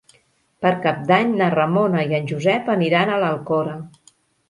Per Cap d'Any na Ramona i en Josep aniran a l'Alcora.